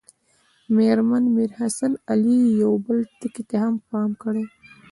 مېرمن میر حسن علي یو بل ټکي ته هم پام کړی.